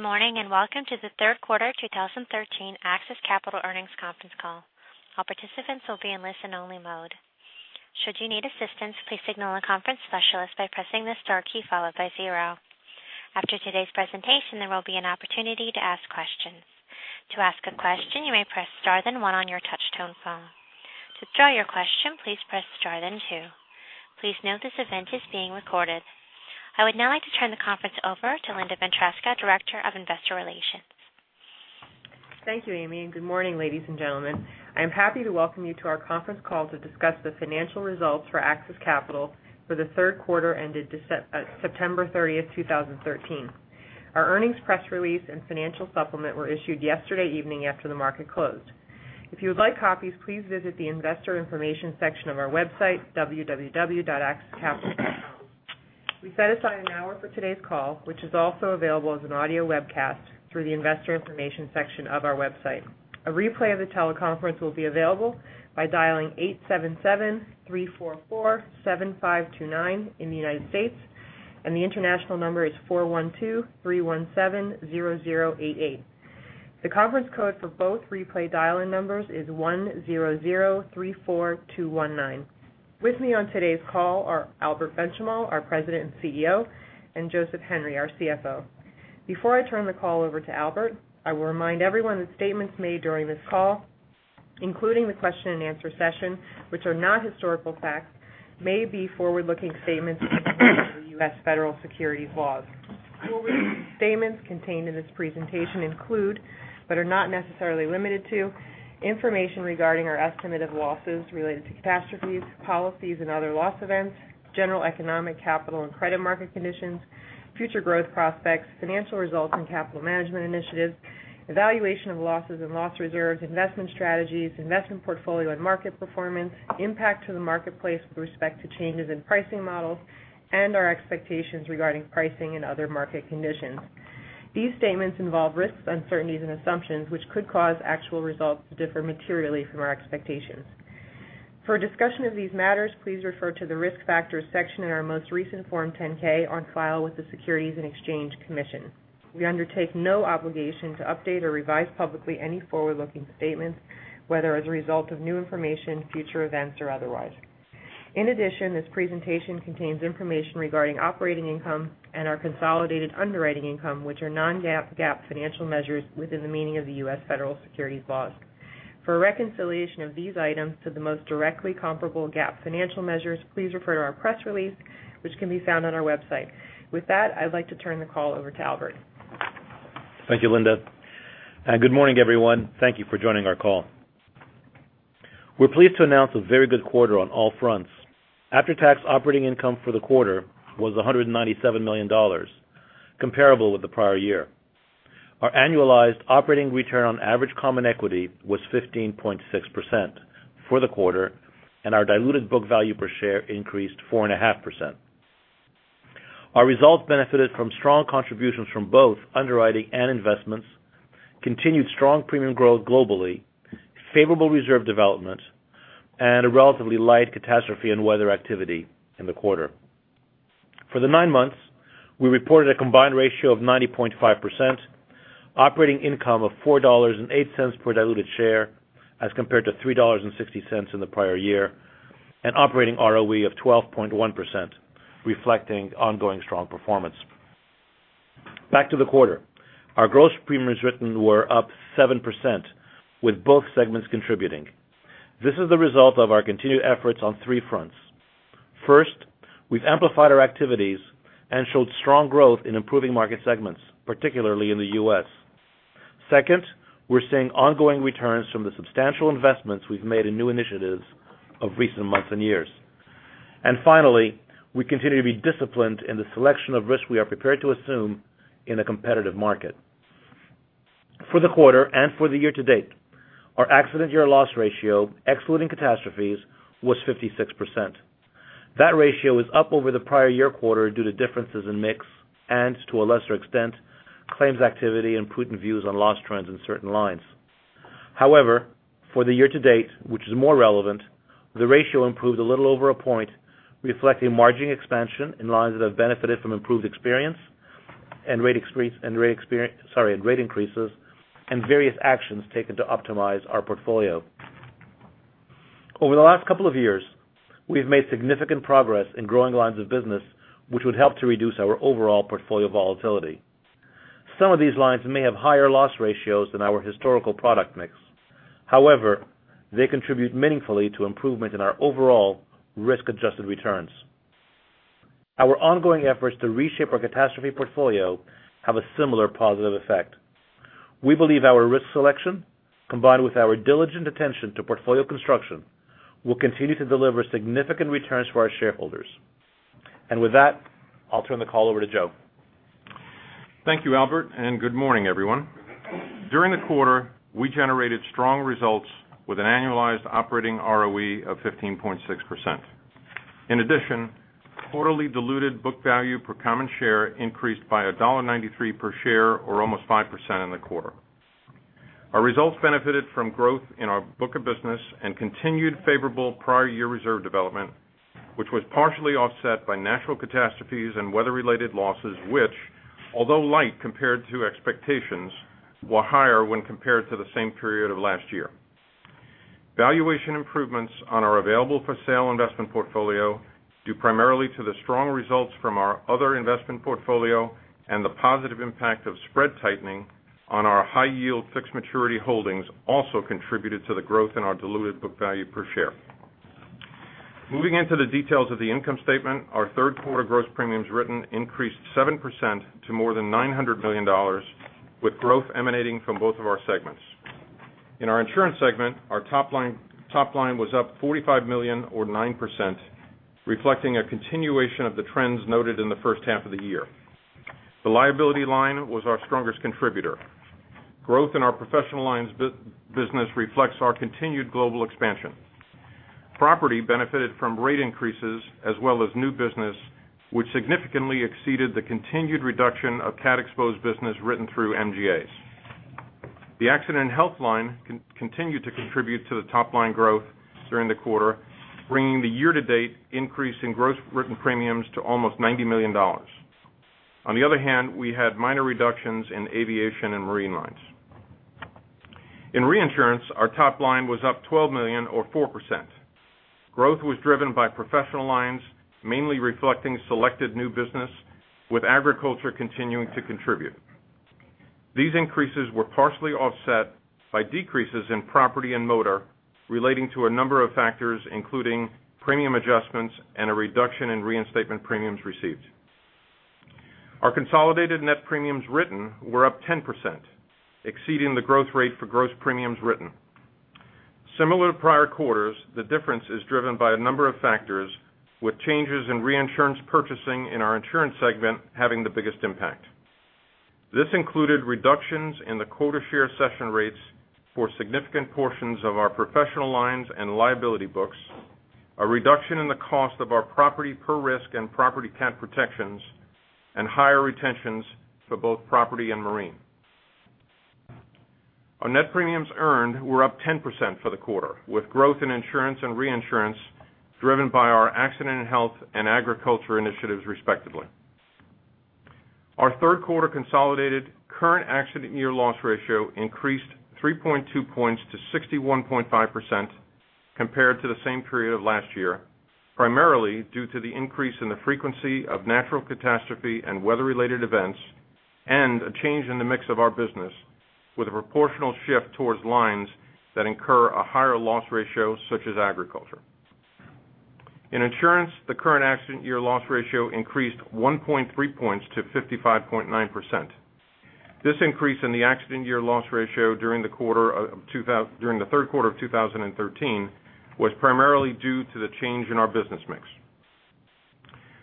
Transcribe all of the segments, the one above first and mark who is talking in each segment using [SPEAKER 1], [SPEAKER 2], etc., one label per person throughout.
[SPEAKER 1] Good morning. Welcome to the third quarter 2013 AXIS Capital earnings conference call. All participants will be in listen only mode. Should you need assistance, please signal a conference specialist by pressing the star key followed by zero. After today's presentation, there will be an opportunity to ask questions. To ask a question, you may press star then one on your touch tone phone. To withdraw your question, please press star then two. Please note this event is being recorded. I would now like to turn the conference over to Linda Ventresca, Director of Investor Relations.
[SPEAKER 2] Thank you, Amy. Good morning, ladies and gentlemen. I'm happy to welcome you to our conference call to discuss the financial results for AXIS Capital for the third quarter ended September 30th, 2013. Our earnings press release and financial supplement were issued yesterday evening after the market closed. If you would like copies, please visit the investor information section of our website, www.axiscapital.com. We set aside an hour for today's call, which is also available as an audio webcast through the investor information section of our website. A replay of the teleconference will be available by dialing 877-344-7529 in the United States, and the international number is 412-317-0088. The conference code for both replay dial-in numbers is 10034219. With me on today's call are Albert Benchimol, our President and CEO, and Joseph Henry, our CFO. Before I turn the call over to Albert, I will remind everyone that statements made during this call, including the question and answer session, which are not historical facts, may be forward-looking statements made under the U.S. Federal Securities laws. Forward-looking statements contained in this presentation include, are not necessarily limited to, information regarding our estimate of losses related to catastrophes, policies and other loss events, general economic, capital, and credit market conditions, future growth prospects, financial results and capital management initiatives, evaluation of losses and loss reserves, investment strategies, investment portfolio and market performance, impact to the marketplace with respect to changes in pricing models and our expectations regarding pricing and other market conditions. These statements involve risks, uncertainties and assumptions, which could cause actual results to differ materially from our expectations. For a discussion of these matters, please refer to the Risk Factors section in our most recent Form 10-K on file with the Securities and Exchange Commission. We undertake no obligation to update or revise publicly any forward-looking statements, whether as a result of new information, future events, or otherwise. In addition, this presentation contains information regarding operating income and our consolidated underwriting income, which are non-GAAP, GAAP financial measures within the meaning of the U.S. Federal Securities laws. For a reconciliation of these items to the most directly comparable GAAP financial measures, please refer to our press release, which can be found on our website. With that, I'd like to turn the call over to Albert.
[SPEAKER 3] Thank you, Linda. Good morning, everyone. Thank you for joining our call. We're pleased to announce a very good quarter on all fronts. After-tax operating income for the quarter was $197 million, comparable with the prior year. Our annualized operating return on average common equity was 15.6% for the quarter, and our diluted book value per share increased 4.5%. Our results benefited from strong contributions from both underwriting and investments, continued strong premium growth globally, favorable reserve development, and a relatively light catastrophe and weather activity in the quarter. For the nine months, we reported a combined ratio of 90.5%, operating income of $4.08 per diluted share as compared to $3.60 in the prior year, and operating ROE of 12.1%, reflecting ongoing strong performance. Back to the quarter. Our gross premiums written were up 7%, with both segments contributing. This is the result of our continued efforts on three fronts. First, we've amplified our activities and showed strong growth in improving market segments, particularly in the U.S. Second, we're seeing ongoing returns from the substantial investments we've made in new initiatives of recent months and years. Finally, we continue to be disciplined in the selection of risk we are prepared to assume in a competitive market. For the quarter and for the year to date, our accident year loss ratio, excluding catastrophes, was 56%. That ratio is up over the prior year quarter due to differences in mix and to a lesser extent, claims activity and prudent views on loss trends in certain lines. However, for the year to date, which is more relevant, the ratio improved a little over a point, reflecting margin expansion in lines that have benefited from improved experience and rate increases and various actions taken to optimize our portfolio. Over the last couple of years, we've made significant progress in growing lines of business which would help to reduce our overall portfolio volatility. Some of these lines may have higher loss ratios than our historical product mix. However, they contribute meaningfully to improvement in our overall risk-adjusted returns. Our ongoing efforts to reshape our catastrophe portfolio have a similar positive effect. We believe our risk selection, combined with our diligent attention to portfolio construction, will continue to deliver significant returns for our shareholders. With that, I'll turn the call over to Joe.
[SPEAKER 4] Thank you, Albert, and good morning, everyone. During the quarter, we generated strong results with an annualized operating ROE of 15.6%. In addition, quarterly diluted book value per common share increased by $1.93 per share or almost 5% in the quarter. Our results benefited from growth in our book of business and continued favorable prior year reserve development, which was partially offset by natural catastrophes and weather-related losses which, although light compared to expectations, were higher when compared to the same period of last year. Valuation improvements on our available-for-sale investment portfolio, due primarily to the strong results from our other investment portfolio and the positive impact of spread tightening on our high-yield fixed maturity holdings, also contributed to the growth in our diluted book value per share. Moving into the details of the income statement, our third quarter gross premiums written increased 7% to more than $900 million, with growth emanating from both of our segments. In our insurance segment, our top line was up $45 million, or 9%, reflecting a continuation of the trends noted in the first half of the year. The liability line was our strongest contributor. Growth in our professional lines business reflects our continued global expansion. Property benefited from rate increases as well as new business, which significantly exceeded the continued reduction of cat-exposed business written through MGAs. The accident and health line continued to contribute to the top-line growth during the quarter, bringing the year-to-date increase in gross written premiums to almost $90 million. On the other hand, we had minor reductions in aviation and marine lines. In reinsurance, our top line was up $12 million, or 4%. Growth was driven by professional lines, mainly reflecting selected new business, with agriculture continuing to contribute. These increases were partially offset by decreases in property and motor relating to a number of factors, including premium adjustments and a reduction in reinstatement premiums received. Our consolidated net premiums written were up 10%, exceeding the growth rate for gross premiums written. Similar to prior quarters, the difference is driven by a number of factors, with changes in reinsurance purchasing in our insurance segment having the biggest impact. This included reductions in the quota share cession rates for significant portions of our professional lines and liability books, a reduction in the cost of our property per risk and property cat protections, and higher retentions for both property and marine. Our net premiums earned were up 10% for the quarter, with growth in insurance and reinsurance driven by our accident and health and agriculture initiatives, respectively. Our third quarter consolidated current accident year loss ratio increased 3.2 points to 61.5% compared to the same period of last year, primarily due to the increase in the frequency of natural catastrophe and weather-related events, and a change in the mix of our business with a proportional shift towards lines that incur a higher loss ratio, such as agriculture. In insurance, the current accident year loss ratio increased 1.3 points to 55.9%. This increase in the accident year loss ratio during the third quarter of 2013 was primarily due to the change in our business mix.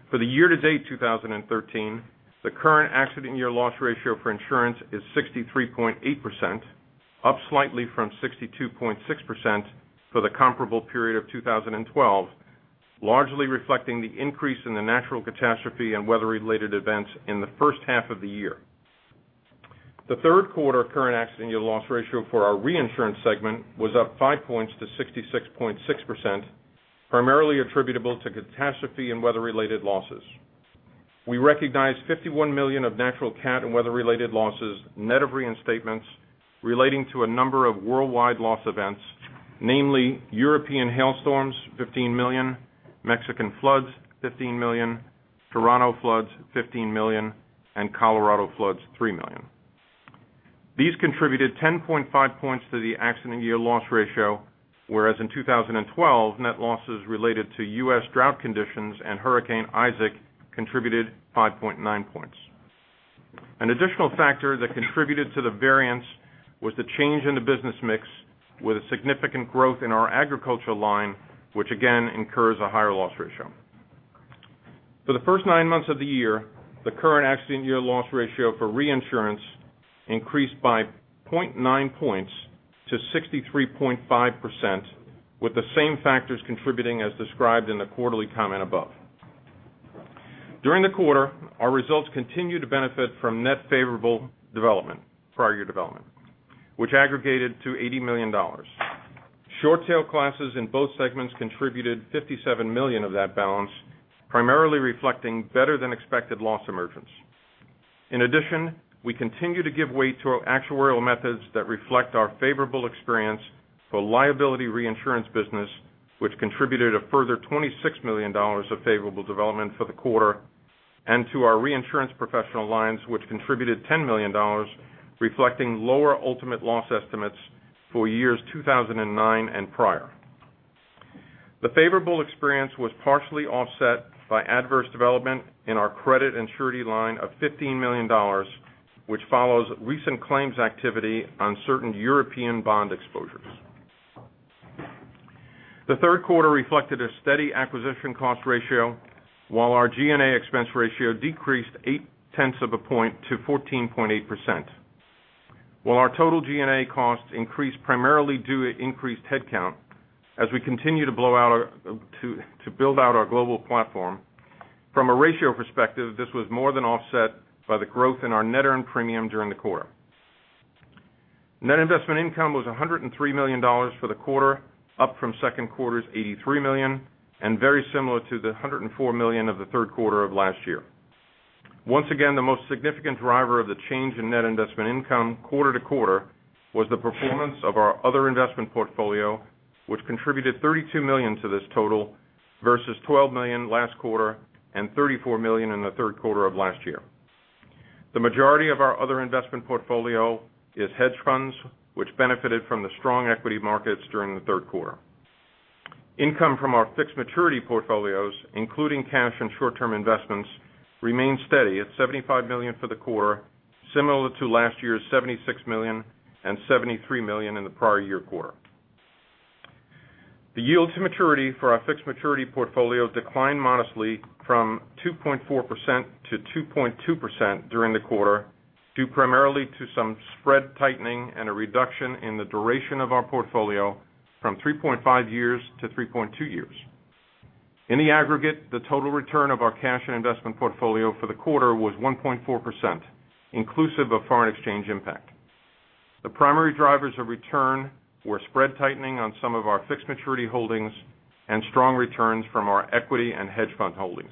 [SPEAKER 4] For the year-to-date 2013, the current accident year loss ratio for insurance is 63.8%, up slightly from 62.6% for the comparable period of 2012, largely reflecting the increase in the natural catastrophe and weather-related events in the first half of the year. The third quarter current accident year loss ratio for our reinsurance segment was up five points to 66.6%, primarily attributable to catastrophe and weather-related losses. We recognized $51 million of natural cat and weather-related losses, net of reinstatements, relating to a number of worldwide loss events, namely European hailstorms, $15 million; Mexican floods, $15 million; Toronto floods, $15 million; and Colorado floods, $3 million. These contributed 10.5 points to the accident year loss ratio, whereas in 2012, net losses related to U.S. drought conditions and Hurricane Isaac contributed 5.9 points. An additional factor that contributed to the variance was the change in the business mix, with a significant growth in our agriculture line, which again incurs a higher loss ratio. For the first nine months of the year, the current accident year loss ratio for reinsurance increased by 0.9 points to 63.5%, with the same factors contributing as described in the quarterly comment above. During the quarter, our results continued to benefit from net favorable prior year development, which aggregated to $80 million. Short tail classes in both segments contributed $57 million of that balance, primarily reflecting better than expected loss emergence. In addition, we continue to give weight to our actuarial methods that reflect our favorable experience for liability reinsurance business, which contributed a further $26 million of favorable development for the quarter, and to our reinsurance professional lines, which contributed $10 million, reflecting lower ultimate loss estimates for years 2009 and prior. The favorable experience was partially offset by adverse development in our credit and surety line of $15 million, which follows recent claims activity on certain European bond exposures. The third quarter reflected a steady acquisition cost ratio, while our G&A expense ratio decreased 8 tenths of a point to 14.8%. While our total G&A costs increased primarily due to increased headcount as we continue to build out our global platform, from a ratio perspective, this was more than offset by the growth in our net earned premium during the quarter. Net investment income was $103 million for the quarter, up from second quarter's $83 million, and very similar to the $104 million of the third quarter of last year. Once again, the most significant driver of the change in net investment income quarter-to-quarter was the performance of our other investment portfolio, which contributed $32 million to this total versus $12 million last quarter and $34 million in the third quarter of last year. The majority of our other investment portfolio is hedge funds, which benefited from the strong equity markets during the third quarter. Income from our fixed maturity portfolios, including cash and short-term investments, remained steady at $75 million for the quarter, similar to last year's $76 million and $73 million in the prior year quarter. The yield to maturity for our fixed maturity portfolio declined modestly from 2.4%-2.2% during the quarter, due primarily to some spread tightening and a reduction in the duration of our portfolio from 3.5 years-3.2 years. In the aggregate, the total return of our cash and investment portfolio for the quarter was 1.4%, inclusive of foreign exchange impact. The primary drivers of return were spread tightening on some of our fixed maturity holdings and strong returns from our equity and hedge fund holdings.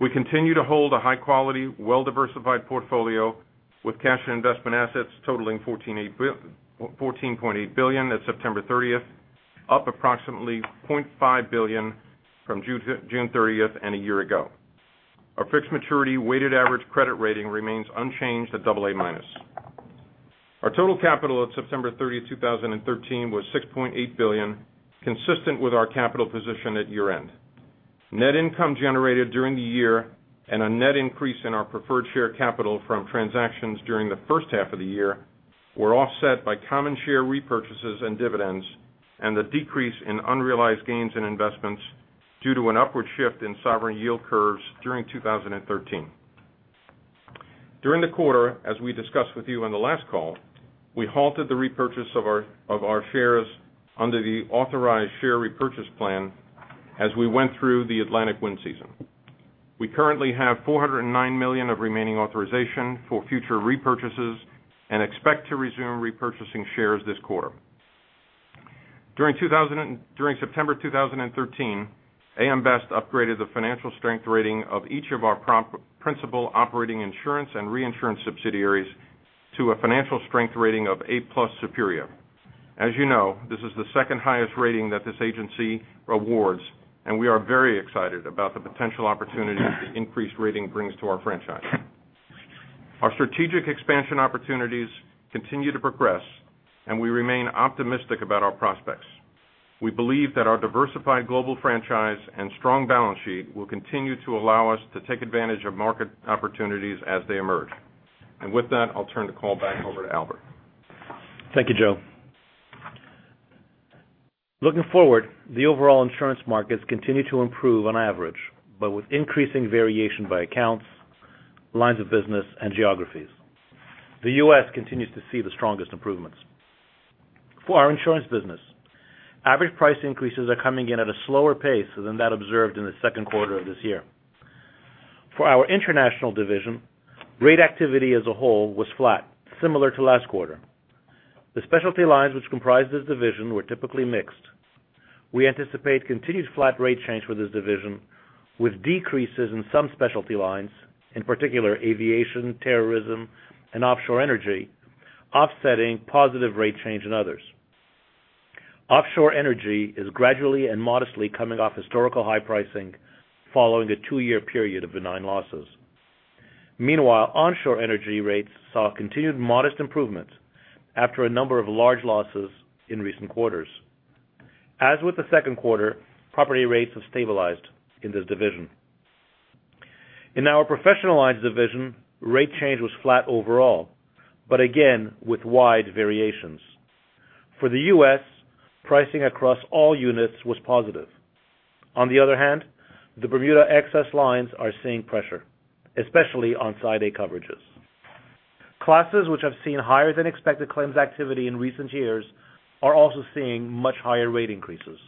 [SPEAKER 4] We continue to hold a high-quality, well-diversified portfolio with cash and investment assets totaling $14.8 billion at September 30th, up approximately $0.5 billion from June 30th and a year ago. Our fixed maturity weighted average credit rating remains unchanged at AA-. Our total capital at September 30, 2013, was $6.8 billion, consistent with our capital position at year-end. Net income generated during the year and a net increase in our preferred share capital from transactions during the first half of the year were offset by common share repurchases and dividends and the decrease in unrealized gains in investments due to an upward shift in sovereign yield curves during 2013. During the quarter, as we discussed with you on the last call, we halted the repurchase of our shares under the authorized share repurchase plan as we went through the Atlantic wind season. We currently have $409 million of remaining authorization for future repurchases and expect to resume repurchasing shares this quarter. During September 2013, A.M. Best upgraded the financial strength rating of each of our principal operating insurance and reinsurance subsidiaries to a financial strength rating of A+ (Superior). As you know, this is the second highest rating that this agency awards, and we are very excited about the potential opportunities the increased rating brings to our franchise. Our strategic expansion opportunities continue to progress, and we remain optimistic about our prospects. We believe that our diversified global franchise and strong balance sheet will continue to allow us to take advantage of market opportunities as they emerge. With that, I'll turn the call back over to Albert.
[SPEAKER 3] Thank you, Joe. Looking forward, the overall insurance markets continue to improve on average, but with increasing variation by accounts, lines of business, and geographies. The U.S. continues to see the strongest improvements. For our insurance business, average price increases are coming in at a slower pace than that observed in the second quarter of this year. For our international division, rate activity as a whole was flat, similar to last quarter. The specialty lines which comprise this division were typically mixed. We anticipate continued flat rate change for this division, with decreases in some specialty lines, in particular aviation, terrorism, and offshore energy, offsetting positive rate change in others. Offshore energy is gradually and modestly coming off historical high pricing following a two-year period of benign losses. Meanwhile, onshore energy rates saw continued modest improvements after a number of large losses in recent quarters. As with the second quarter, property rates have stabilized in this division. In our professional lines division, rate change was flat overall, but again with wide variations. For the U.S., pricing across all units was positive. On the other hand, the Bermuda excess lines are seeing pressure, especially on Side A coverages. Classes which have seen higher than expected claims activity in recent years are also seeing much higher rate increases.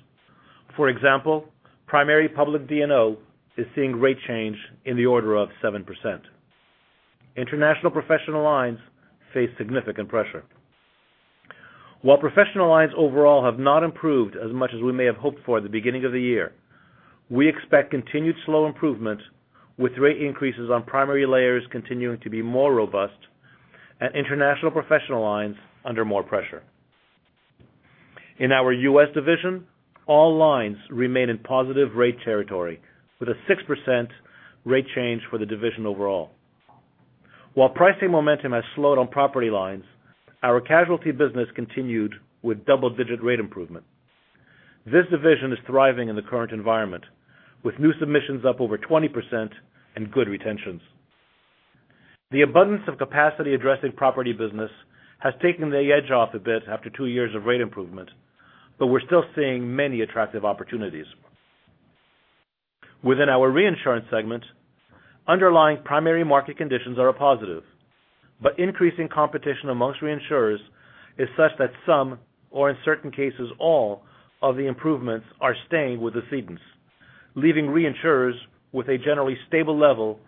[SPEAKER 3] For example, primary public D&O is seeing rate change in the order of 7%. International professional lines face significant pressure. While professional lines overall have not improved as much as we may have hoped for at the beginning of the year, we expect continued slow improvement with rate increases on primary layers continuing to be more robust and international professional lines under more pressure. In our U.S. division, all lines remain in positive rate territory with a 6% rate change for the division overall. While pricing momentum has slowed on property lines, our casualty business continued with double-digit rate improvement. This division is thriving in the current environment, with new submissions up over 20% and good retentions. The abundance of capacity addressing property business has taken the edge off a bit after two years of rate improvement, but we're still seeing many attractive opportunities. Within our reinsurance segment, underlying primary market conditions are a positive. Increasing competition amongst reinsurers is such that some, or in certain cases, all of the improvements are staying with the cedents, leaving reinsurers with a generally stable level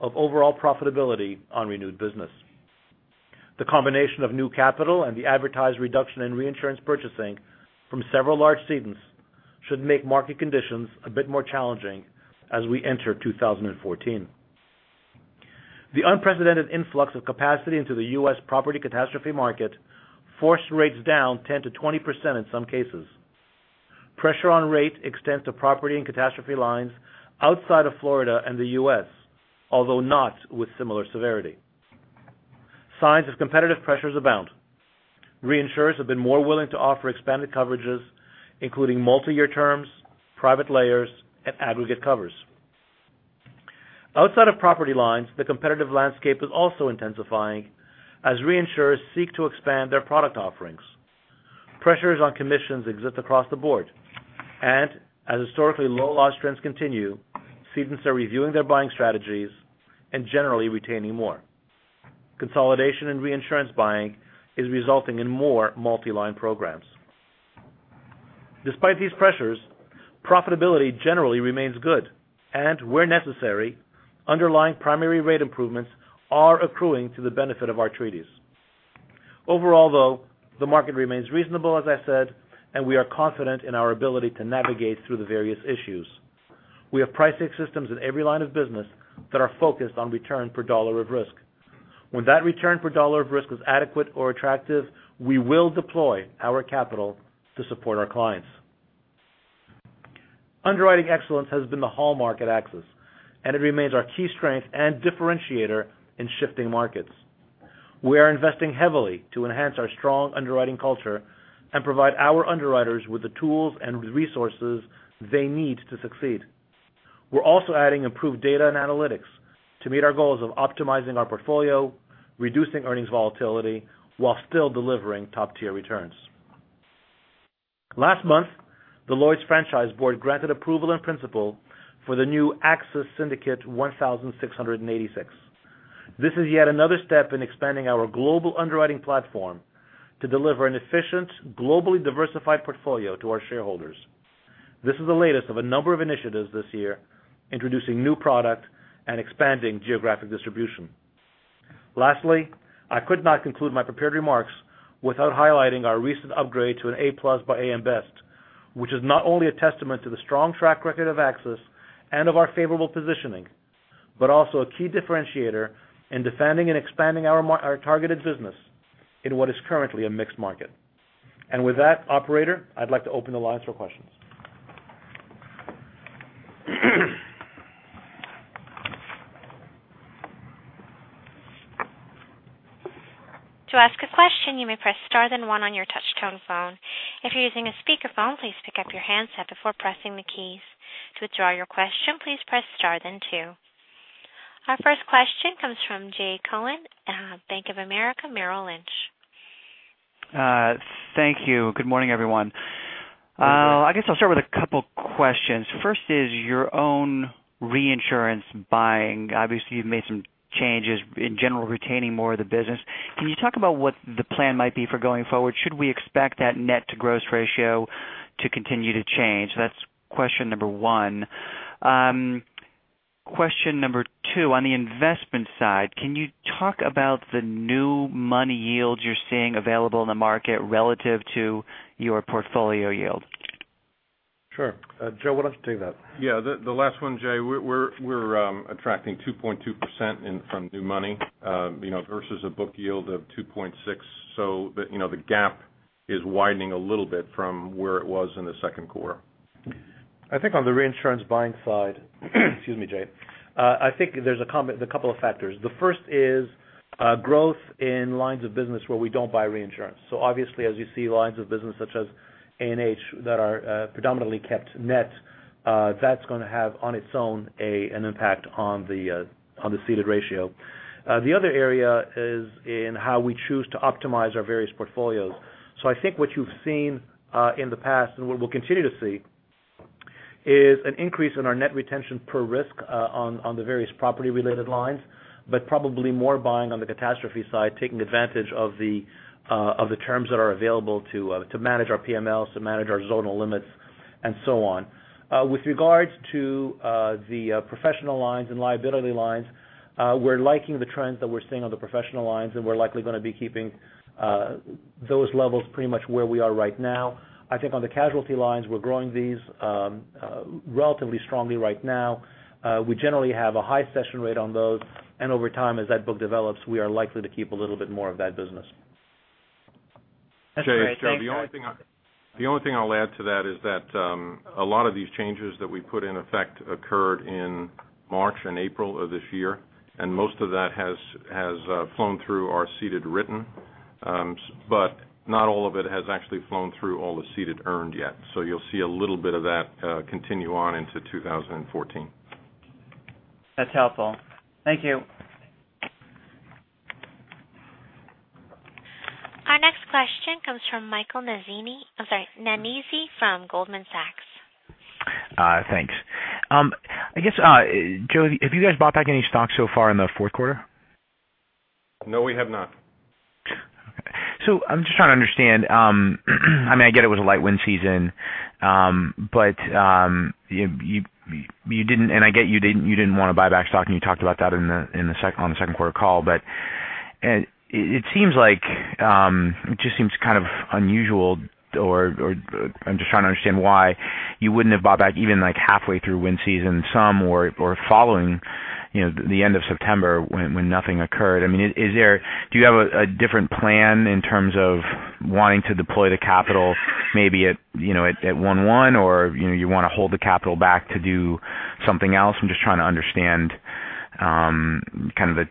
[SPEAKER 3] of overall profitability on renewed business. The combination of new capital and the advertised reduction in reinsurance purchasing from several large cedents should make market conditions a bit more challenging as we enter 2014. The unprecedented influx of capacity into the U.S. property catastrophe market forced rates down 10%-20% in some cases. Pressure on rate extends to property and catastrophe lines outside of Florida and the U.S., although not with similar severity. Signs of competitive pressures abound. Reinsurers have been more willing to offer expanded coverages, including multi-year terms, private layers, and aggregate covers. Outside of property lines, the competitive landscape is also intensifying as reinsurers seek to expand their product offerings. Pressures on commissions exist across the board. As historically low loss trends continue, cedents are reviewing their buying strategies and generally retaining more. Consolidation in reinsurance buying is resulting in more multi-line programs. Despite these pressures, profitability generally remains good, and where necessary, underlying primary rate improvements are accruing to the benefit of our treaties. Overall, though, the market remains reasonable as I said, and we are confident in our ability to navigate through the various issues. We have pricing systems in every line of business that are focused on return per dollar of risk. When that return per dollar of risk is adequate or attractive, we will deploy our capital to support our clients. Underwriting excellence has been the hallmark at AXIS, and it remains our key strength and differentiator in shifting markets. We are investing heavily to enhance our strong underwriting culture and provide our underwriters with the tools and resources they need to succeed. We're also adding improved data and analytics to meet our goals of optimizing our portfolio, reducing earnings volatility, while still delivering top-tier returns. Last month, the Lloyd's Franchise Board granted approval in principle for the new AXIS Syndicate 1686. This is yet another step in expanding our global underwriting platform to deliver an efficient, globally diversified portfolio to our shareholders. This is the latest of a number of initiatives this year introducing new product and expanding geographic distribution. Lastly, I could not conclude my prepared remarks without highlighting our recent upgrade to an A+ by A.M. Best, which is not only a testament to the strong track record of AXIS and of our favorable positioning, but also a key differentiator in defending and expanding our targeted business in what is currently a mixed market. With that, operator, I'd like to open the line for questions.
[SPEAKER 1] To ask a question, you may press star then one on your touch-tone phone. If you're using a speakerphone, please pick up your handset before pressing the keys. To withdraw your question, please press star then two. Our first question comes from Jay Cohen at Bank of America Merrill Lynch.
[SPEAKER 5] Thank you. Good morning, everyone.
[SPEAKER 3] Good morning.
[SPEAKER 5] I guess I'll start with a couple of questions. First is your own reinsurance buying. Obviously, you've made some changes, in general, retaining more of the business. Can you talk about what the plan might be for going forward? Should we expect that net-to-gross ratio to continue to change? That's question number one. Question number two, on the investment side, can you talk about the new money yields you're seeing available in the market relative to your portfolio yield?
[SPEAKER 3] Sure. Joe, why don't you take that?
[SPEAKER 4] Yeah. The last one, Jay, we're attracting 2.2% from new money versus a book yield of 2.6%. The gap is widening a little bit from where it was in the second quarter.
[SPEAKER 3] I think on the reinsurance buying side, excuse me, Jay, I think there's a couple of factors. The first is growth in lines of business where we don't buy reinsurance. Obviously, as you see lines of business such as A&H that are predominantly kept net, that's going to have, on its own, an impact on the ceded ratio. The other area is in how we choose to optimize our various portfolios. I think what you've seen in the past and what we'll continue to see is an increase in our net retention per risk on the various property-related lines, but probably more buying on the catastrophe side, taking advantage of the terms that are available to manage our PMLs, to manage our zonal limits, and so on. With regards to the professional lines and liability lines, we're liking the trends that we're seeing on the professional lines, and we're likely going to be keeping those levels pretty much where we are right now. I think on the casualty lines, we're growing these relatively strongly right now. We generally have a high cession rate on those, and over time as that book develops, we are likely to keep a little bit more of that business.
[SPEAKER 5] That's great. Thanks guys.
[SPEAKER 4] Jay, it's Joe. The only thing I'll add to that is that a lot of these changes that we put in effect occurred in March and April of this year, and most of that has flown through our ceded written. Not all of it has actually flown through all the ceded earned yet. You'll see a little bit of that continue on into 2014.
[SPEAKER 5] That's helpful. Thank you.
[SPEAKER 1] From Michael Nannizzi. I'm sorry, Nannizzi from Goldman Sachs.
[SPEAKER 6] Thanks. I guess, Joe, have you guys bought back any stocks so far in the fourth quarter?
[SPEAKER 4] No, we have not.
[SPEAKER 6] Okay. I'm just trying to understand. I get it was a light wind season, and I get you didn't want to buy back stock, and you talked about that on the second quarter call, but it just seems kind of unusual, or I'm just trying to understand why you wouldn't have bought back even halfway through wind season some or following the end of September when nothing occurred. Do you have a different plan in terms of wanting to deploy the capital, maybe at one-one, or you want to hold the capital back to do something else? I'm just trying to understand kind of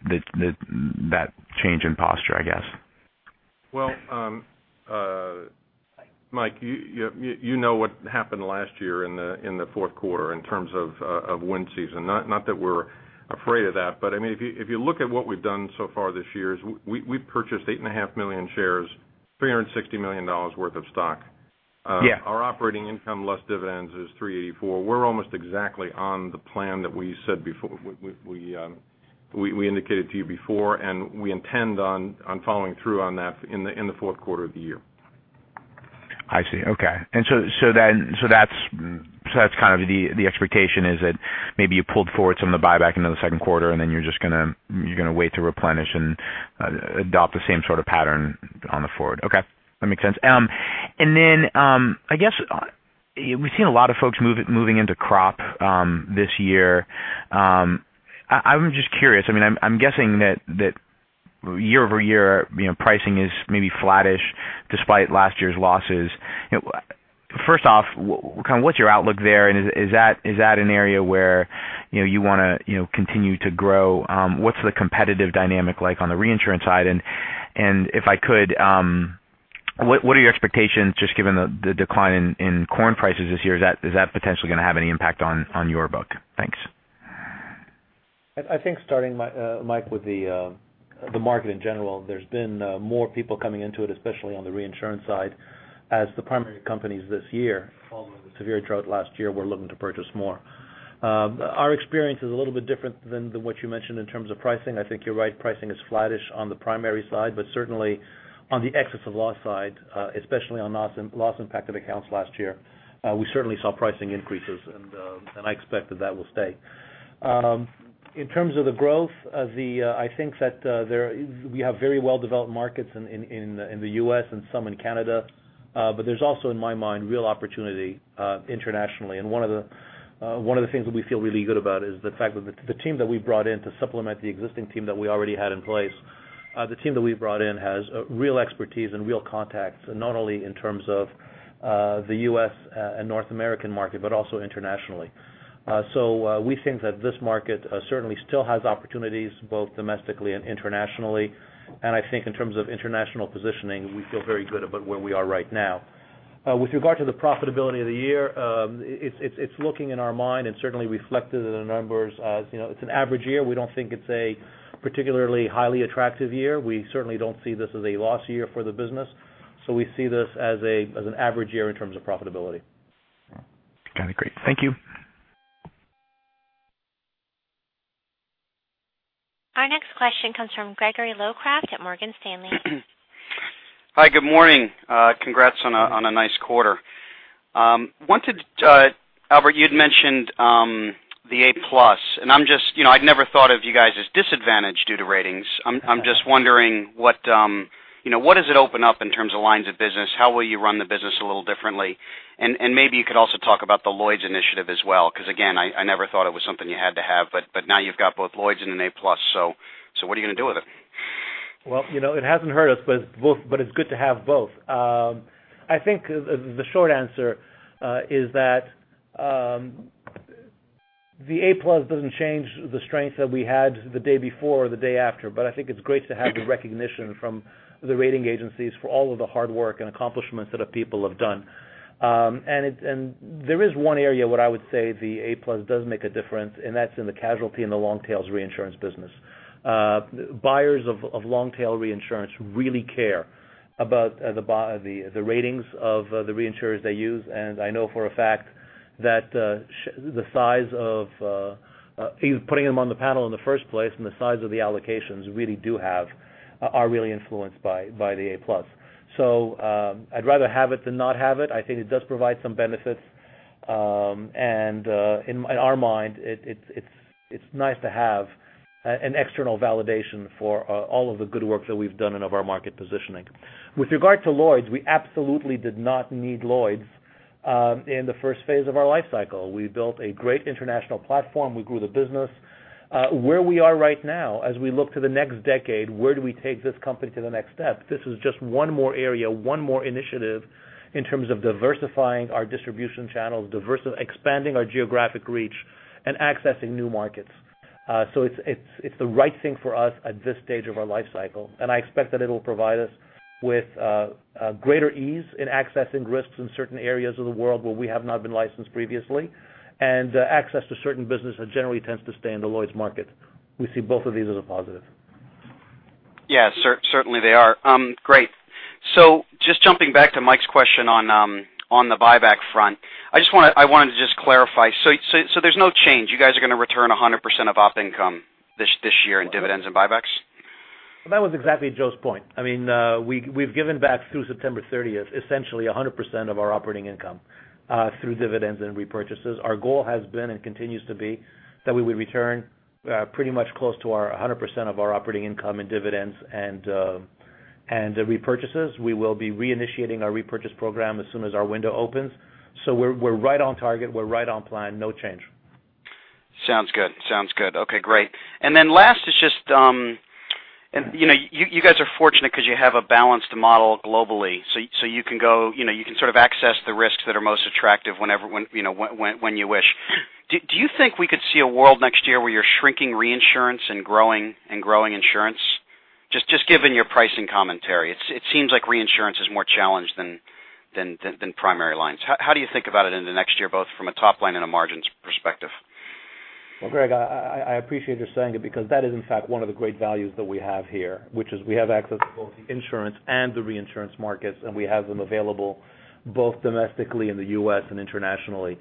[SPEAKER 6] that change in posture, I guess.
[SPEAKER 4] Well, Mike, you know what happened last year in the fourth quarter in terms of wind season. Not that we're afraid of that, but if you look at what we've done so far this year, we've purchased 8.5 million shares, $360 million worth of stock.
[SPEAKER 6] Yeah.
[SPEAKER 4] Our operating income, less dividends, is $384. We're almost exactly on the plan that we indicated to you before, we intend on following through on that in the fourth quarter of the year.
[SPEAKER 6] I see. Okay. That's kind of the expectation is that maybe you pulled forward some of the buyback into the second quarter, you're going to wait to replenish and adopt the same sort of pattern on the forward. Okay. That makes sense. I guess we've seen a lot of folks moving into crop this year. I'm just curious. I'm guessing that year-over-year pricing is maybe flattish despite last year's losses. First off, what's your outlook there, is that an area where you want to continue to grow? What's the competitive dynamic like on the reinsurance side? If I could, what are your expectations just given the decline in corn prices this year? Is that potentially going to have any impact on your book? Thanks.
[SPEAKER 4] I think starting, Mike, with the market in general. There's been more people coming into it, especially on the reinsurance side, as the primary companies this year, following the severe drought last year, were looking to purchase more. Our experience is a little bit different than what you mentioned in terms of pricing. I think you're right, pricing is flattish on the primary side, certainly on the excess of loss side, especially on loss impacted accounts last year, we certainly saw pricing increases, I expect that that will stay. In terms of the growth, I think that we have very well-developed markets in the U.S. and some in Canada, there's also, in my mind, real opportunity internationally. One of the things that we feel really good about is the fact that the team that we brought in to supplement the existing team that we already had in place, the team that we've brought in has real expertise and real contacts, not only in terms of the U.S. and North American market, also internationally. We think that this market certainly still has opportunities, both domestically and internationally. I think in terms of international positioning, we feel very good about where we are right now. With regard to the profitability of the year, it's looking in our mind and certainly reflected in the numbers as it's an average year. We don't think it's a particularly highly attractive year. We certainly don't see this as a loss year for the business. We see this as an average year in terms of profitability.
[SPEAKER 6] Got it. Great. Thank you.
[SPEAKER 1] Our next question comes from Gregory Locraft at Morgan Stanley.
[SPEAKER 7] Hi. Good morning. Congrats on a nice quarter. Albert, you'd mentioned the A+, and I'd never thought of you guys as disadvantaged due to ratings. I'm just wondering what does it open up in terms of lines of business? How will you run the business a little differently? Maybe you could also talk about the Lloyd's initiative as well, because again, I never thought it was something you had to have, but now you've got both Lloyd's and an A+, what are you going to do with it?
[SPEAKER 3] Well, it hasn't hurt us, but it's good to have both. I think the short answer is that the A+ doesn't change the strength that we had the day before or the day after, but I think it's great to have the recognition from the rating agencies for all of the hard work and accomplishments that our people have done. There is one area where I would say the A+ does make a difference, and that's in the casualty and the long tail reinsurance business. Buyers of long tail reinsurance really care about the ratings of the reinsurers they use, and I know for a fact that even putting them on the panel in the first place and the size of the allocations are really influenced by the A+. I'd rather have it than not have it. I think it does provide some benefits. In our mind, it's nice to have an external validation for all of the good work that we've done and of our market positioning. With regard to Lloyd's, we absolutely did not need Lloyd's in the first phase of our life cycle. We built a great international platform. We grew the business. Where we are right now, as we look to the next decade, where do we take this company to the next step? This is just one more area, one more initiative in terms of diversifying our distribution channels, expanding our geographic reach, and accessing new markets. It's the right thing for us at this stage of our life cycle, and I expect that it'll provide us with greater ease in accessing risks in certain areas of the world where we have not been licensed previously and access to certain business that generally tends to stay in the Lloyd's market. We see both of these as a positive.
[SPEAKER 7] Yeah. Great. Just jumping back to Mike's question on the buyback front, I wanted to just clarify. There's no change? You guys are going to return 100% of op income this year in dividends and buybacks?
[SPEAKER 3] That was exactly Joe's point. We've given back through September 30th, essentially 100% of our operating income, through dividends and repurchases. Our goal has been, and continues to be, that we would return pretty much close to our 100% of our operating income in dividends and repurchases. We will be reinitiating our repurchase program as soon as our window opens. We're right on target. We're right on plan. No change.
[SPEAKER 7] Sounds good. Okay, great. Last is just, you guys are fortunate because you have a balanced model globally. You can sort of access the risks that are most attractive when you wish. Do you think we could see a world next year where you're shrinking reinsurance and growing insurance? Given your pricing commentary, it seems like reinsurance is more challenged than primary lines. How do you think about it in the next year, both from a top line and a margins perspective?
[SPEAKER 3] Well, Greg, I appreciate you saying it because that is in fact one of the great values that we have here, which is we have access to both the insurance and the reinsurance markets, and we have them available both domestically in the U.S. and internationally.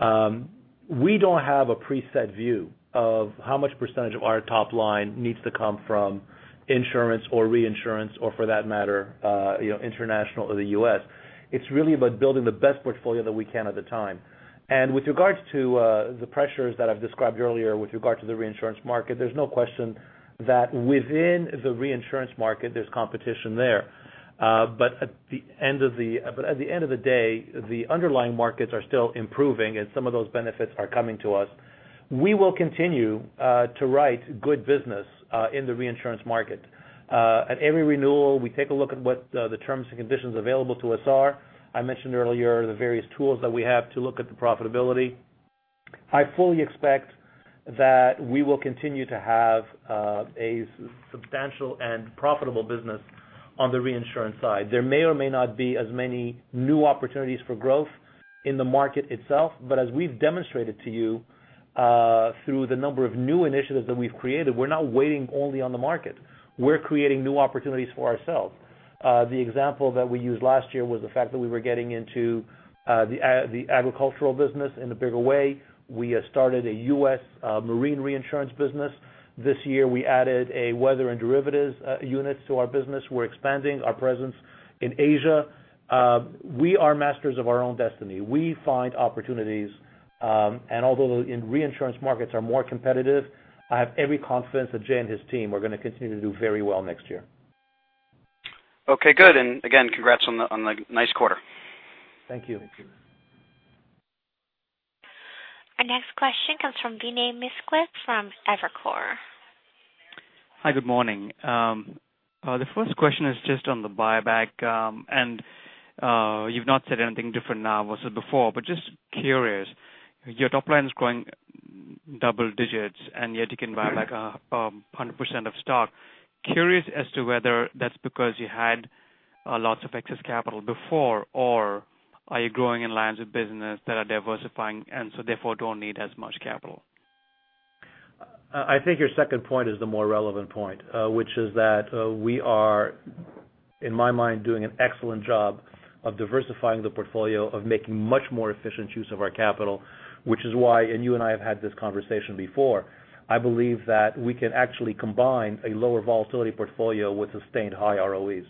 [SPEAKER 3] We don't have a preset view of how much percentage of our top line needs to come from insurance or reinsurance or for that matter international or the U.S. It's really about building the best portfolio that we can at the time. With regards to the pressures that I've described earlier with regard to the reinsurance market, there's no question that within the reinsurance market, there's competition there. At the end of the day, the underlying markets are still improving and some of those benefits are coming to us. We will continue to write good business in the reinsurance market. At every renewal, we take a look at what the terms and conditions available to us are. I mentioned earlier the various tools that we have to look at the profitability. I fully expect that we will continue to have a substantial and profitable business on the reinsurance side. There may or may not be as many new opportunities for growth in the market itself, as we've demonstrated to you, through the number of new initiatives that we've created, we're not waiting only on the market. We're creating new opportunities for ourselves. The example that we used last year was the fact that we were getting into the agricultural business in a bigger way. We started a U.S. marine reinsurance business. This year, we added a weather and derivatives unit to our business. We're expanding our presence in Asia. We are masters of our own destiny. We find opportunities, although the reinsurance markets are more competitive, I have every confidence that Jay and his team are going to continue to do very well next year.
[SPEAKER 7] Okay, good. Again, congrats on the nice quarter.
[SPEAKER 3] Thank you.
[SPEAKER 1] Our next question comes from Vinay Misquith from Evercore.
[SPEAKER 8] Hi, good morning. The first question is just on the buyback. You've not said anything different now versus before, but just curious. Your top line is growing double digits, yet you can buy back 100% of stock. Curious as to whether that's because you had lots of excess capital before, or are you growing in lines of business that are diversifying and so therefore don't need as much capital?
[SPEAKER 3] I think your second point is the more relevant point, which is that we are, in my mind, doing an excellent job of diversifying the portfolio, of making much more efficient use of our capital, which is why, and you and I have had this conversation before, I believe that we can actually combine a lower volatility portfolio with sustained high ROEs.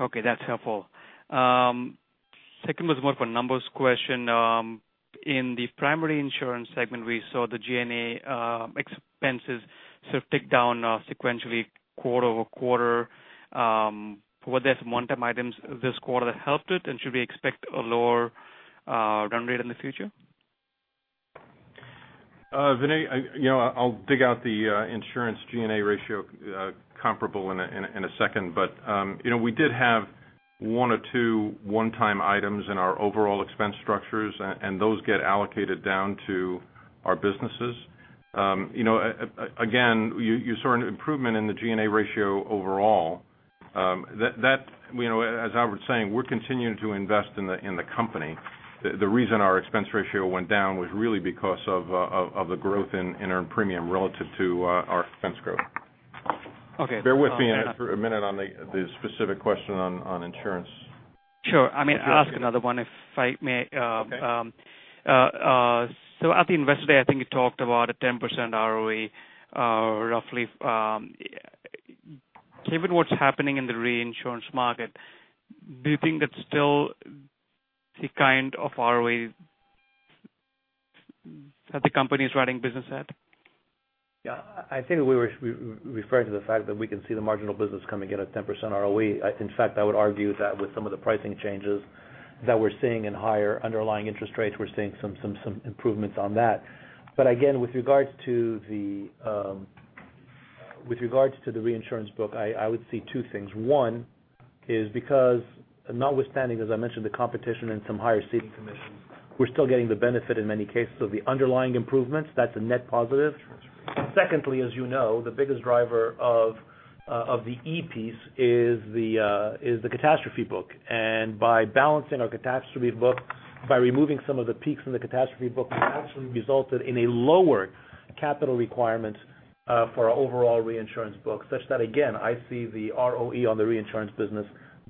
[SPEAKER 8] Okay, that's helpful. Second was more of a numbers question. In the primary insurance segment, we saw the G&A expenses sort of tick down sequentially quarter-over-quarter. Were there some one-time items this quarter that helped it, and should we expect a lower run rate in the future?
[SPEAKER 4] Vinay, I'll dig out the insurance G&A ratio comparable in a second. We did have one or two one-time items in our overall expense structures, and those get allocated down to our businesses. Again, you saw an improvement in the G&A ratio overall. As Albert saying, we're continuing to invest in the company. The reason our expense ratio went down was really because of the growth in earned premium relative to our expense growth.
[SPEAKER 8] Okay.
[SPEAKER 4] Bear with me for a minute on the specific question on insurance.
[SPEAKER 8] Sure. I may ask another one, if I may.
[SPEAKER 4] Okay.
[SPEAKER 8] At the investor day, I think you talked about a 10% ROE roughly. Given what's happening in the reinsurance market, do you think that's still the kind of ROE that the company is running business at?
[SPEAKER 3] I think we were referring to the fact that we can see the marginal business coming in at 10% ROE. In fact, I would argue that with some of the pricing changes that we're seeing in higher underlying interest rates, we're seeing some improvements on that. Again, with regards to the reinsurance book, I would see two things. One is because notwithstanding, as I mentioned, the competition and some higher ceding commissions, we're still getting the benefit in many cases of the underlying improvements. That's a net positive. Secondly, as you know, the biggest driver of the E piece is the catastrophe book. By balancing our catastrophe book, by removing some of the peaks in the catastrophe book, it actually resulted in a lower capital requirements for our overall reinsurance book, such that again, I see the ROE on the reinsurance business,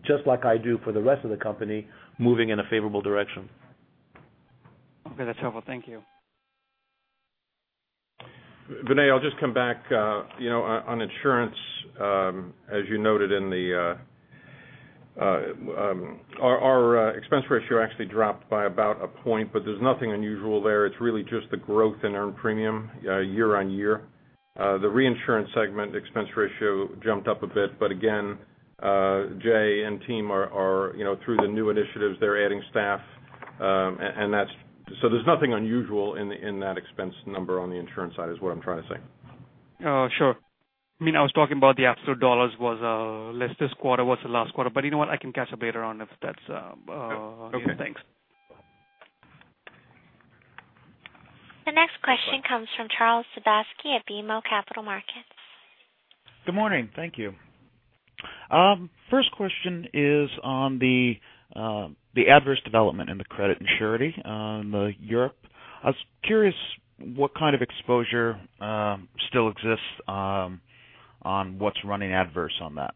[SPEAKER 3] just like I do for the rest of the company, moving in a favorable direction.
[SPEAKER 8] Okay, that's helpful. Thank you.
[SPEAKER 4] Vinay, I'll just come back on insurance. As you noted, our expense ratio actually dropped by about a point, there's nothing unusual there. It's really just the growth in earned premium year-on-year. The reinsurance segment expense ratio jumped up a bit. Again, Jay and team are through the new initiatives, they're adding staff. There's nothing unusual in that expense number on the insurance side is what I'm trying to say.
[SPEAKER 8] Sure. I was talking about the absolute dollars was less this quarter versus last quarter. You know what? I can catch up later on if that's.
[SPEAKER 4] Okay.
[SPEAKER 8] Thanks.
[SPEAKER 1] The next question comes from Charles Sebaski at BMO Capital Markets.
[SPEAKER 9] Good morning. Thank you. First question is on the adverse development in the credit and surety in the Europe. I was curious what kind of exposure still exists on what's running adverse on that.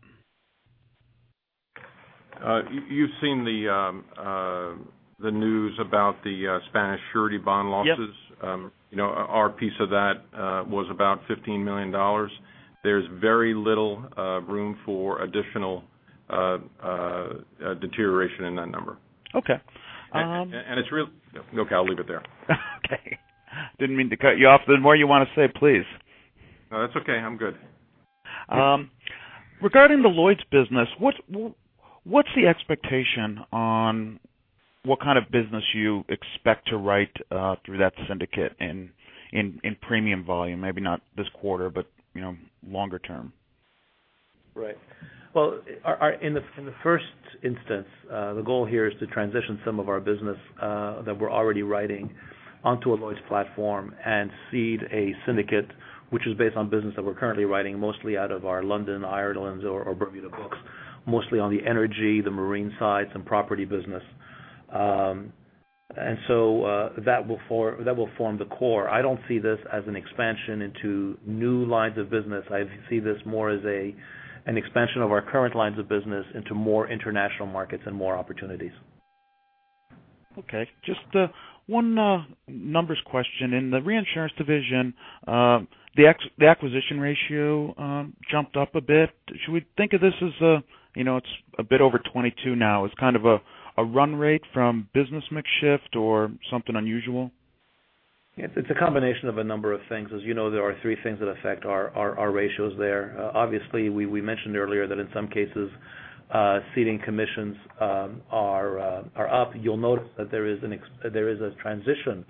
[SPEAKER 4] You've seen the news about the Spanish surety bond losses.
[SPEAKER 9] Yep.
[SPEAKER 4] Our piece of that was about $15 million. There's very little room for additional deterioration in that number.
[SPEAKER 9] Okay.
[SPEAKER 4] Okay, I'll leave it there.
[SPEAKER 9] Okay. Didn't mean to cut you off. The more you want to say, please.
[SPEAKER 4] No, that's okay. I'm good.
[SPEAKER 9] Regarding the Lloyd's business, what's the expectation on what kind of business you expect to write through that syndicate in premium volume? Maybe not this quarter, but longer term.
[SPEAKER 3] Right. Well, in the first instance, the goal here is to transition some of our business that we're already writing onto a Lloyd's platform and seed a syndicate, which is based on business that we're currently writing mostly out of our London, Ireland, or Bermuda books, mostly on the energy, the marine side, some property business. That will form the core. I don't see this as an expansion into new lines of business. I see this more as an expansion of our current lines of business into more international markets and more opportunities.
[SPEAKER 9] Okay. Just one numbers question. In the reinsurance division, the acquisition ratio jumped up a bit. Should we think of this as a, it's a bit over 22 now, as kind of a run rate from business mix shift or something unusual?
[SPEAKER 3] It's a combination of a number of things. As you know, there are three things that affect our ratios there. Obviously, we mentioned earlier that in some cases, ceding commissions are up. You'll note that there is a transition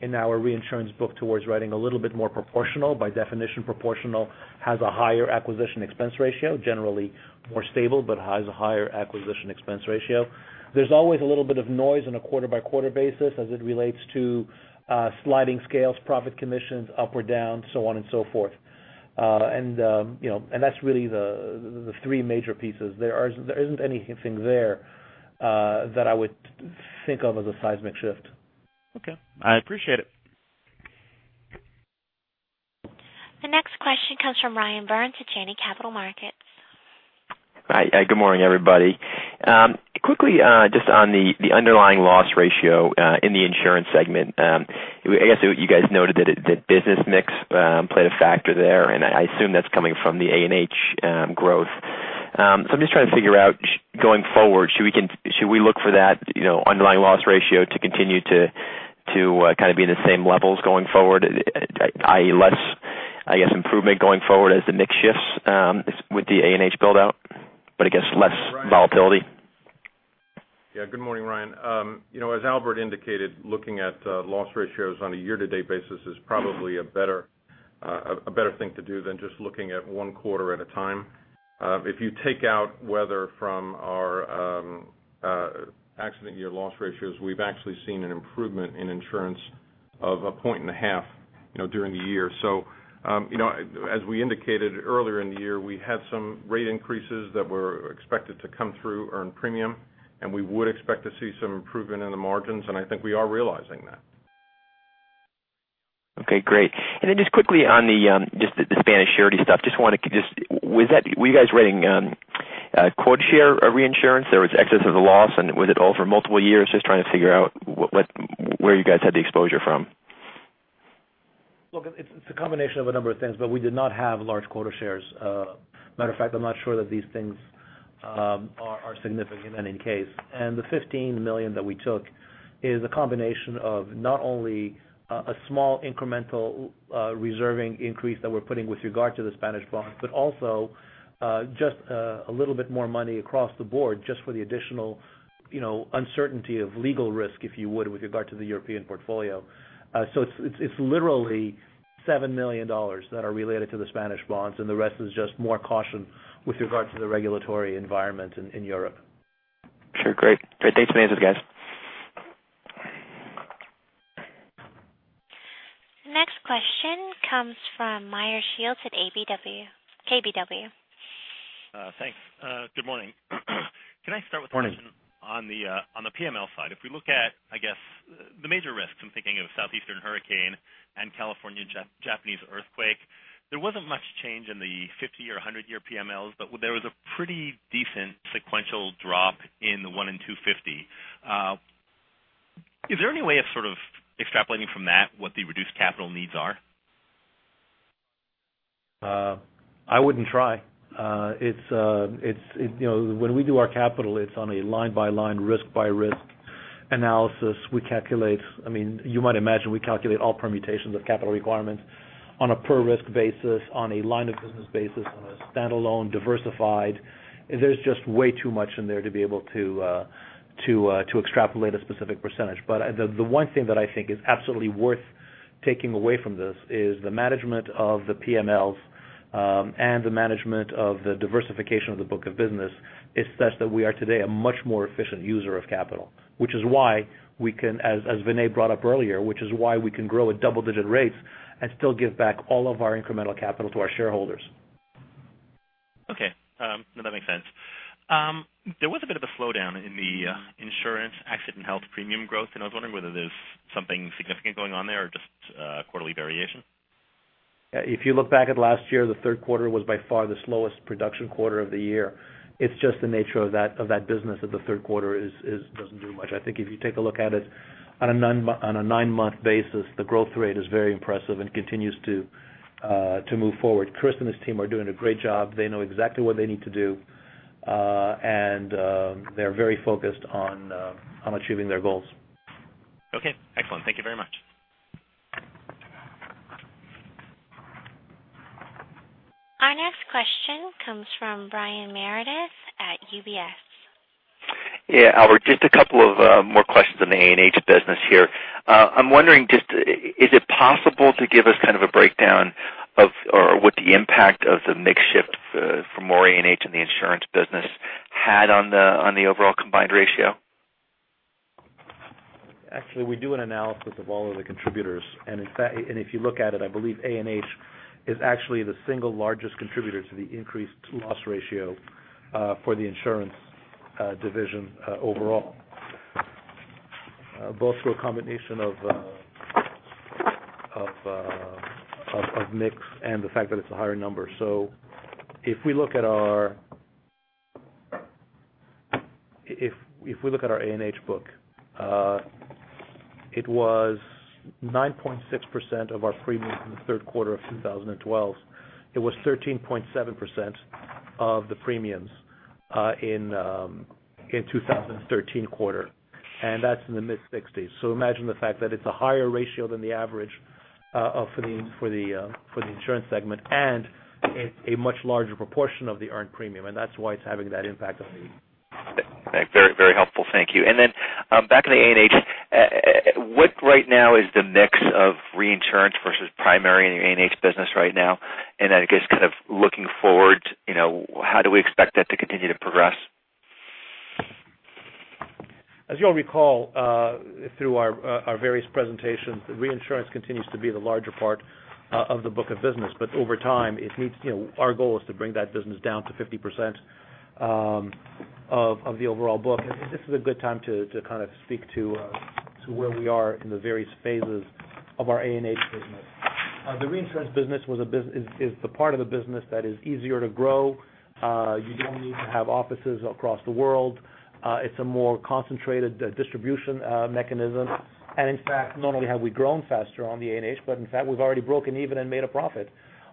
[SPEAKER 3] in our reinsurance book towards writing a little bit more proportional. By definition, proportional has a higher acquisition expense ratio, generally more stable, but has a higher acquisition expense ratio. There's always a little bit of noise on a quarter-by-quarter basis as it relates to sliding scales, profit commissions up or down, so on and so forth. That's really the three major pieces. There isn't anything there that I would think of as a seismic shift.
[SPEAKER 9] Okay. I appreciate it.
[SPEAKER 1] The next question comes from Ryan Burns at Janney Capital Markets.
[SPEAKER 10] Hi, good morning, everybody. Quickly, just on the underlying loss ratio in the insurance segment. I guess you guys noted that business mix played a factor there. I assume that's coming from the A&H growth. I'm just trying to figure out, going forward, should we look for that underlying loss ratio to continue to be in the same levels going forward, i.e., less, I guess, improvement going forward as the mix shifts with the A&H build-out, but I guess less volatility?
[SPEAKER 4] Yeah. Good morning, Ryan. As Albert indicated, looking at loss ratios on a year-to-date basis is probably a better thing to do than just looking at one quarter at a time. If you take out weather from our accident year loss ratios, we've actually seen an improvement in insurance of a point and a half during the year. As we indicated earlier in the year, we had some rate increases that were expected to come through earned premium, and we would expect to see some improvement in the margins, and I think we are realizing that.
[SPEAKER 10] Okay, great. Just quickly on the Spanish surety stuff, were you guys writing quota share reinsurance there was excess of the loss, and was it all for multiple years? Just trying to figure out where you guys had the exposure from.
[SPEAKER 3] Look, it's a combination of a number of things, but we did not have large quota shares. Matter of fact, I'm not sure that these things are significant in any case. The $15 million that we took is a combination of not only a small incremental reserving increase that we're putting with regard to the Spanish bonds, but also just a little bit more money across the board just for the additional uncertainty of legal risk, if you would, with regard to the European portfolio. It's literally $7 million that are related to the Spanish bonds, and the rest is just more caution with regard to the regulatory environment in Europe.
[SPEAKER 10] Sure. Great. Thanks a million, guys.
[SPEAKER 1] The next question comes from Meyer Shields at KBW.
[SPEAKER 11] Thanks. Good morning. Can I start with a question-
[SPEAKER 3] Morning
[SPEAKER 11] on the PML side? If we look at, I guess, the major risks, I'm thinking of Southeastern hurricane and California Japanese earthquake. There wasn't much change in the 50 or 100-year PMLs, but there was a pretty decent sequential drop in the one in 250. Is there any way of extrapolating from that, what the reduced capital needs are?
[SPEAKER 3] I wouldn't try. When we do our capital, it's on a line-by-line, risk-by-risk analysis. We calculate, you might imagine, all permutations of capital requirements on a per-risk basis, on a line-of-business basis, on a standalone, diversified. There's just way too much in there to be able to extrapolate a specific percentage. The one thing that I think is absolutely worth taking away from this is the management of the PMLs, and the management of the diversification of the book of business is such that we are today a much more efficient user of capital. Which is why we can, as Vinay brought up earlier, which is why we can grow at double-digit rates and still give back all of our incremental capital to our shareholders.
[SPEAKER 11] Okay. No, that makes sense. There was a bit of a slowdown in the insurance Accident & Health premium growth, and I was wondering whether there's something significant going on there or just quarterly variation.
[SPEAKER 3] If you look back at last year, the third quarter was by far the slowest production quarter of the year. It's just the nature of that business, that the third quarter doesn't do much. I think if you take a look at it on a nine-month basis, the growth rate is very impressive and continues to move forward. Chris and his team are doing a great job. They know exactly what they need to do. They're very focused on achieving their goals.
[SPEAKER 11] Okay, excellent. Thank you very much.
[SPEAKER 1] Our next question comes from Brian Meredith at UBS.
[SPEAKER 12] Yeah. Albert, just a couple of more questions on the A&H business here. I'm wondering, is it possible to give us kind of a breakdown of what the impact of the mix shift for more A&H in the insurance business had on the overall combined ratio?
[SPEAKER 3] Actually, we do an analysis of all of the contributors, if you look at it, I believe A&H is actually the single largest contributor to the increased loss ratio for the insurance division overall. Both through a combination of mix and the fact that it's a higher number. If we look at our A&H book it was 9.6% of our premiums in the third quarter of 2012. It was 13.7% of the premiums in 2013 quarter, that's in the mid-60s. Imagine the fact that it's a higher ratio than the average for the insurance segment and a much larger proportion of the earned premium, that's why it's having that impact on the.
[SPEAKER 12] Very helpful, thank you. Then, back in the A&H, what right now is the mix of reinsurance versus primary in your A&H business right now? I guess kind of looking forward, how do we expect that to continue to progress?
[SPEAKER 3] As you all recall through our various presentations, reinsurance continues to be the larger part of the book of business. Over time, our goal is to bring that business down to 50% of the overall book. This is a good time to kind of speak to where we are in the various phases of our A&H business. The reinsurance business is the part of the business that is easier to grow. You don't need to have offices across the world. It's a more concentrated distribution mechanism. In fact, not only have we grown faster on the A&H, but in fact, we've already broken even and made a profit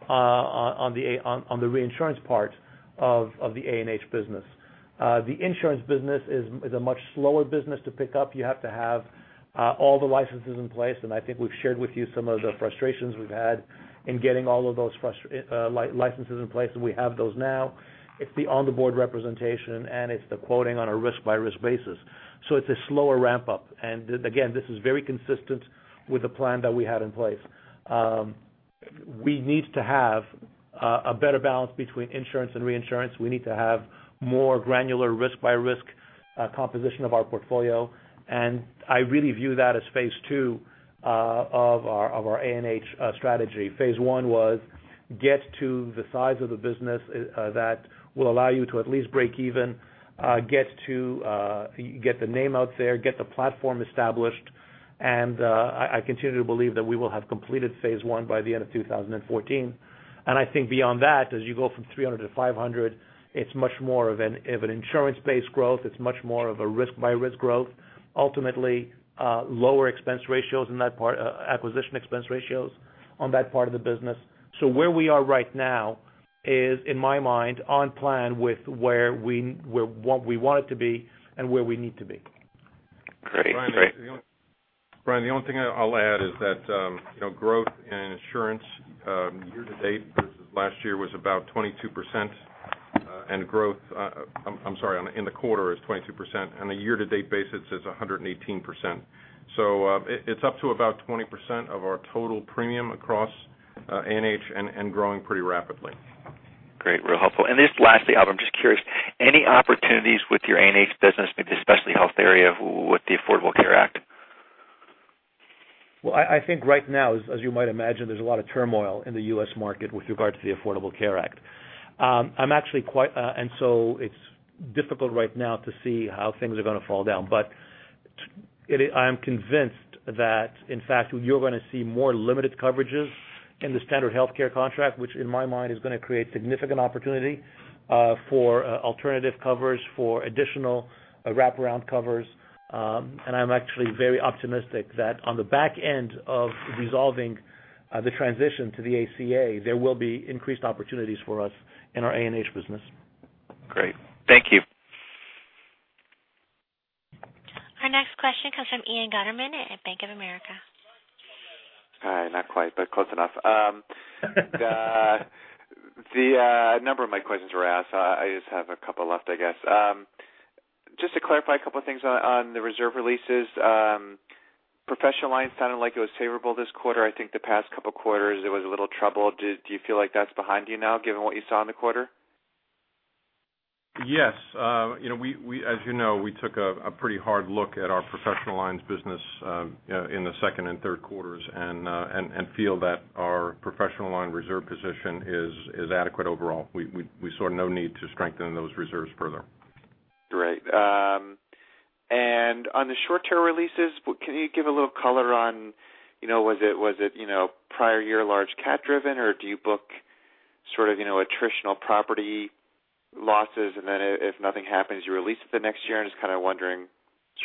[SPEAKER 3] on the reinsurance part of the A&H business. The insurance business is a much slower business to pick up. You have to have all the licenses in place, I think we've shared with you some of the frustrations we've had in getting all of those licenses in place, and we have those now. It's the on-the-board representation, and it's the quoting on a risk-by-risk basis. It's a slower ramp-up. Again, this is very consistent with the plan that we had in place. We need to have a better balance between insurance and reinsurance. We need to have more granular risk-by-risk composition of our portfolio, I really view that as phase 2 of our A&H strategy. Phase 1 was get to the size of the business that will allow you to at least break even, get the name out there, get the platform established, I continue to believe that we will have completed phase 1 by the end of 2014. I think beyond that, as you go from 300 to 500, it's much more of an insurance-based growth. It's much more of a risk-by-risk growth. Ultimately, lower expense ratios in that part, acquisition expense ratios on that part of the business. Where we are right now is, in my mind, on plan with where we want it to be and where we need to be.
[SPEAKER 12] Great.
[SPEAKER 4] Brian- Brian, the only thing I'll add is that growth in insurance year-to-date versus last year was about 22% and growth, I'm sorry, in the quarter is 22%, on a year-to-date basis is 118%. It's up to about 20% of our total premium across A&H and growing pretty rapidly.
[SPEAKER 12] Great, real helpful. Just lastly, Albert, I'm just curious, any opportunities with your A&H business, maybe the specialty health area with the Affordable Care Act?
[SPEAKER 3] Well, I think right now, as you might imagine, there's a lot of turmoil in the U.S. market with regard to the Affordable Care Act. It's difficult right now to see how things are going to fall down. I am convinced that, in fact, you're going to see more limited coverages in the standard healthcare contract, which in my mind is going to create significant opportunity for alternative coverage for additional wraparound covers. I'm actually very optimistic that on the back end of resolving the transition to the ACA, there will be increased opportunities for us in our A&H business.
[SPEAKER 12] Great. Thank you.
[SPEAKER 1] Our next question comes from Ian Gutterman at Bank of America.
[SPEAKER 13] Hi. Not quite, but close enough. A number of my questions were asked. I just have a couple left, I guess. Just to clarify a couple of things on the reserve releases. Professional lines sounded like it was favorable this quarter. I think the past couple of quarters, there was a little trouble. Do you feel like that's behind you now, given what you saw in the quarter?
[SPEAKER 4] Yes. As you know, we took a pretty hard look at our professional lines business in the second and third quarters and feel that our professional line reserve position is adequate overall. We saw no need to strengthen those reserves further.
[SPEAKER 13] Great. On the short-term releases, can you give a little color on, was it prior year large cat driven, or do you book sort of attritional property losses and then if nothing happens, you release it the next year? I'm just kind of wondering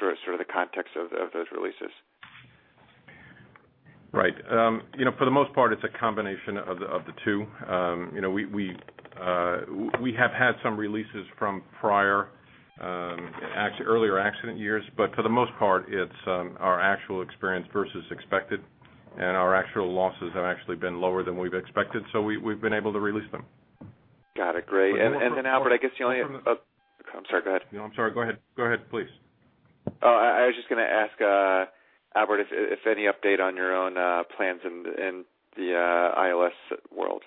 [SPEAKER 13] the context of those releases.
[SPEAKER 4] Right. For the most part, it's a combination of the two. We have had some releases from earlier accident years, but for the most part, it's our actual experience versus expected, and our actual losses have actually been lower than we've expected, so we've been able to release them.
[SPEAKER 13] Got it. Great. Albert, I guess you only have. Oh, I'm sorry, go ahead.
[SPEAKER 4] No, I'm sorry. Go ahead, please.
[SPEAKER 13] I was just going to ask Albert if any update on your own plans in the ILS world.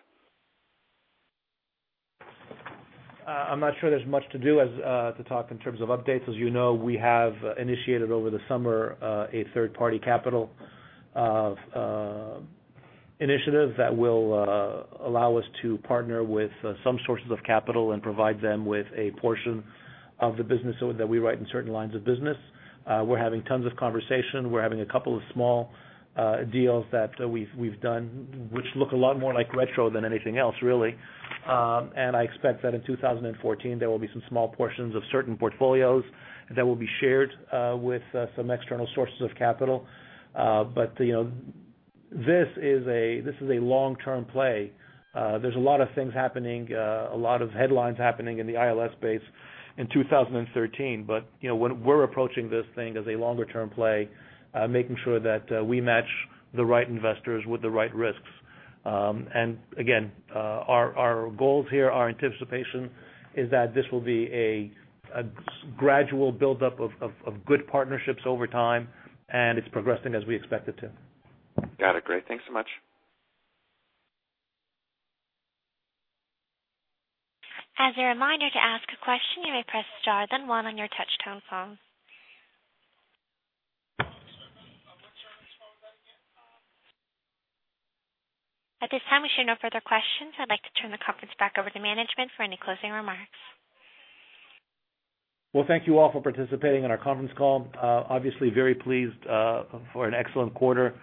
[SPEAKER 3] I'm not sure there's much to talk in terms of updates. As you know, we have initiated over the summer a third-party capital initiative that will allow us to partner with some sources of capital and provide them with a portion of the business that we write in certain lines of business. We're having tons of conversation. We're having a couple of small deals that we've done, which look a lot more like Retrocession than anything else, really. I expect that in 2014, there will be some small portions of certain portfolios that will be shared with some external sources of capital. This is a long-term play. There's a lot of things happening, a lot of headlines happening in the ILS space in 2013. We're approaching this thing as a longer-term play, making sure that we match the right investors with the right risks. Again, our goals here, our anticipation is that this will be a gradual buildup of good partnerships over time, and it's progressing as we expect it to.
[SPEAKER 13] Got it. Great. Thanks so much.
[SPEAKER 1] As a reminder to ask a question, you may press star then one on your touchtone phone.
[SPEAKER 9] I'm not sure. I'm going to turn this phone back again.
[SPEAKER 1] At this time, we show no further questions. I'd like to turn the conference back over to management for any closing remarks.
[SPEAKER 3] Well, thank you all for participating in our conference call. Obviously very pleased for an excellent quarter.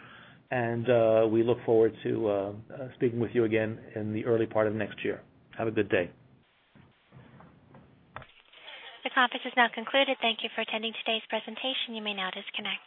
[SPEAKER 3] We look forward to speaking with you again in the early part of next year. Have a good day.
[SPEAKER 1] The conference is now concluded. Thank you for attending today's presentation. You may now disconnect.